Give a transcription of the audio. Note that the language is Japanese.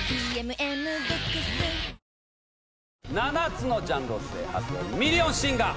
７つのジャンルを制覇せよ『ミリオンシンガー』。